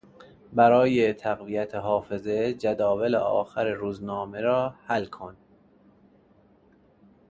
برای تقویت حافظه جداول آخر روزنامه را حل کن.